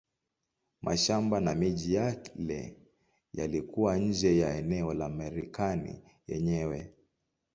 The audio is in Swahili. Mashamba na miji yale yalikuwa nje ya eneo la Marekani yenyewe.